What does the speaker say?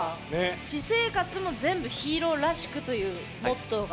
私生活も全部ヒーローらしくという、モットーが。